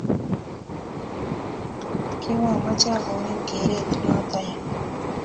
kimameche agonin geret noto yaa